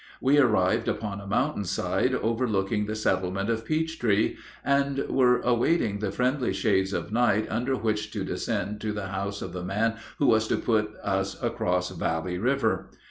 We arrived upon a mountain side overlooking the settlement of Peach Tree, and were awaiting the friendly shades of night under which to descend to the house of the man who was to put us across Valley River.